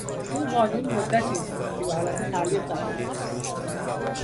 این قانون مدتی است که به حالت تعلیق در آمده است.